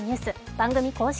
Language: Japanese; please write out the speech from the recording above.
番組公式